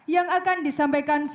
yang akan disampaikan